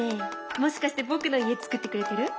もしかして僕の家作ってくれてる？